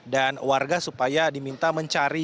dan warga supaya diminta mencari